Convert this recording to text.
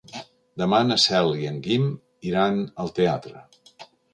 Demà na Cel i en Guim iran al teatre.